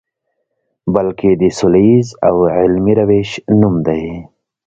بلکې د سولیز او علمي روش نوم دی.